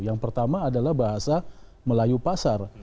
yang pertama adalah bahasa melayu pasar